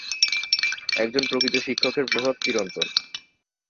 ফল, মূল-এ বেশি জৈব অ্যাসিড থাকে।